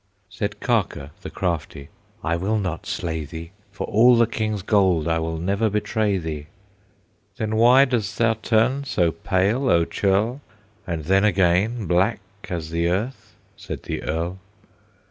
Said Karker, the crafty, "I will not slay thee! For all the king's gold I will never betray thee!" "Then why dost thou turn so pale, O churl, And then again black as the earth?" said the Earl.